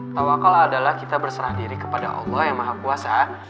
tawakal adalah kita berserah diri kepada allah yang maha kuasa